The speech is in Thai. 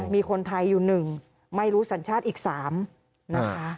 มีคนไทยอยู่หนึ่งไม่รู้สัญชาติอีกสามนะคะ